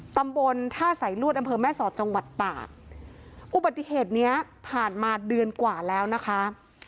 ตำบลท่าสายนวดอำเภอแม่สอดจังหวัดตากอุบัติเหตุเนี้ยผ่านมาเดือนกว่าแล้วนะคะ